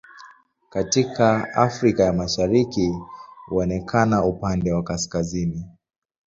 Katika Afrika ya Mashariki huonekana upande wa kaskazini.